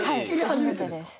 初めてですか？